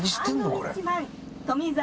これ。